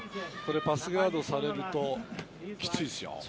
パスガードされるときついですよ。